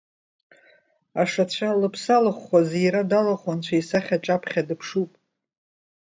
Ашацәа, лыԥсы алыхәхәа, зиира далахәу анцәа исахьа аҿаԥхьа дыԥшуп.